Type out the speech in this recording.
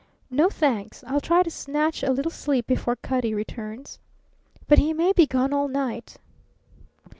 "No, thanks. I'll try to snatch a little sleep before Cutty returns." "But he may be gone all night!"